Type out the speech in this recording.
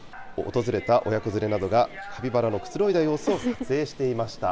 訪れた親子連れなどがカピバラのくつろいだ様子を撮影していました。